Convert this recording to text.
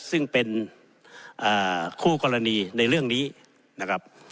ซึ่งเป็นคู่กรณีในเรื่องนี้นะครับ